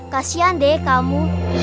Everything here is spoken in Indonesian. kasian deh kamu